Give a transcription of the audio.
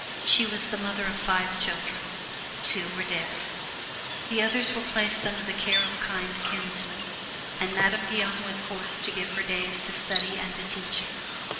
She was the mother of five children two were dead. The others were placed under the care of kind kinsmen; and Madame Guyon went forth to give her days to study and to teaching.